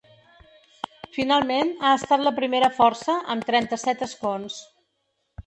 Finalment, ha estat la primera força, amb trenta-set escons.